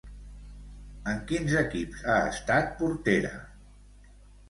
En quins equips ha estat portera?